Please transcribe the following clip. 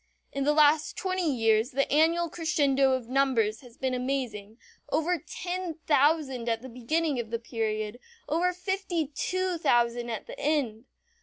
In the last twenty years the annual crescendo of numbers has been amazing; over ten thousand at the beginning of the period, over fifty two thousand at the end.